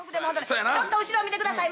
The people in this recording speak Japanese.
ちょっと後ろを見てください。